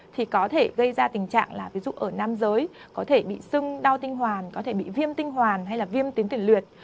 thì có thể gây ra tình trạng là ví dụ ở nam giới có thể bị sưng đau tinh hoàn có thể bị viêm tinh hoàn hay là viêm tuyến tuyển liệt